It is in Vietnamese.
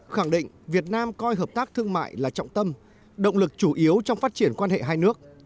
khẳng định việt nam coi hợp tác thương mại là trọng tâm động lực chủ yếu trong phát triển quan hệ hai nước